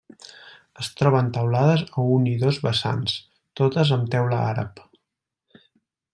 Es troben teulades a un i dos vessants, totes amb teula àrab.